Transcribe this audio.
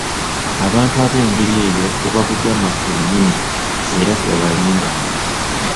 Abantu ab'engeri eyo buba bujama, bwe nyinni, era tebabalimbanga.